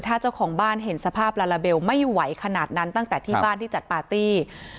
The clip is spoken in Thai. ถ้าเจ้าของบ้านเห็นสภาพลาลาเบลไม่ไหวขนาดนั้นตั้งแต่ที่บ้านที่จัดปาร์ตี้